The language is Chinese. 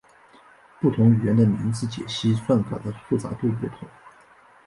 不同语言的名字解析算法的复杂度不同。